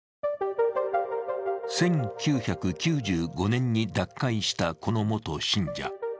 １９９５年に脱会したこの元信者。